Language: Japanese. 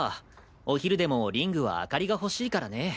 お昼でもリングは明かりが欲しいからね。